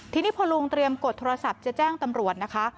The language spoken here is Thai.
พอลุงเตรียมเตรียมกดโทรศัพท์จะแจ้งตำรวจนะคะ